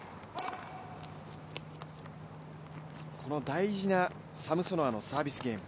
大事なサムソノワのサービスゲーム。